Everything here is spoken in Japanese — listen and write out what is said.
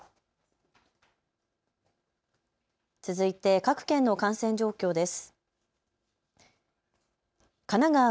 続いて各県の感染状況です。